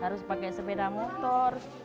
harus pakai sepeda motor